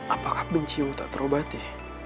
apakah bencimu tak terobati